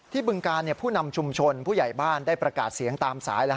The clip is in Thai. บึงการผู้นำชุมชนผู้ใหญ่บ้านได้ประกาศเสียงตามสาย